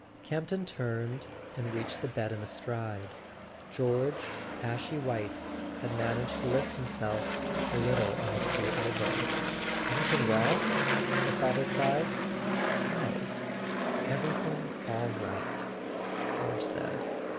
Campton turned and reached the bed in a stride. George, ashy white, had managed to lift himself a little on his free elbow. "Anything wrong?" the father cried. "No; everything all right," George said.